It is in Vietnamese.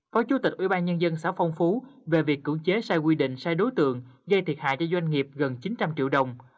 phó chủ tịch ubnd xã phong phú về việc cưỡng chế sai quy định sai đối tượng gây thiệt hại cho doanh nghiệp gần chín trăm linh triệu đồng